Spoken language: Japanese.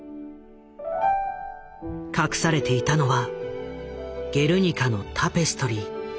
隠されていたのは「ゲルニカ」のタペストリー。